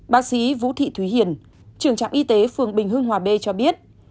bác sĩ vũ thị thúy hiền trường trạm y tế phường bình hương hòa b cho biết